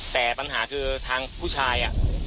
แต่ปัญหาคือทางผู้ชาย